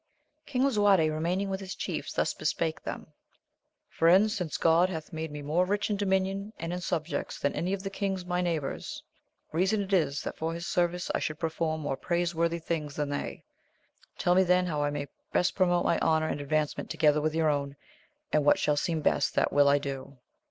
ING Lisuarte remaining with his chiefs thus bespake them : Friends ! since God hath made me more rich in dominion and in subjects than any of the kings my neighbours, reason it is that for his service I should perform more praiseworthy things than they : tell me then how I may best promote my honour and advancement together "vvith your own, and what shall seem best that will I do.